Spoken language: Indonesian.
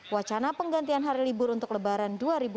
wacana penggantian hari libur untuk lebaran dua ribu dua puluh